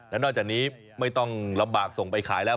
และนอกจากนี้ไม่ต้องลำบากส่งไปขายแล้ว